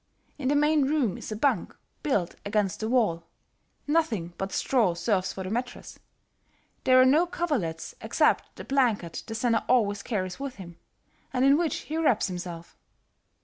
In the main room is a bunk built against the wall; nothing but straw serves for the mattress; there are no coverlets except the blanket the senner always carries with him, and in which he wraps himself.